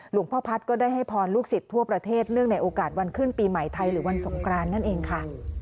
หลวงพ่อพัฒน์ก็ได้ให้พรลูกศิษย์ทั่วประเทศเนื่องในโอกาสวันขึ้นปีใหม่ไทยหรือวันสงกรานนั่นเองค่ะ